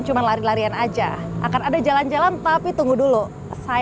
cuman lari larian aja akan ada jalan jalan tapi tunggu dulu saya ganti baju dulu karena tadi